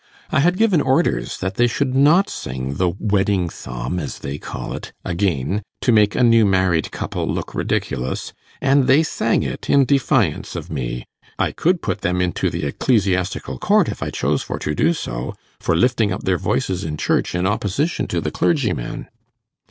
I had given orders that they should not sing the wedding psalm, as they call it, again, to make a new married couple look ridiculous, and they sang it in defiance of me. I could put them into the Ecclesiastical Court, if I chose for to do so, for lifting up their voices in church in opposition to the clergyman.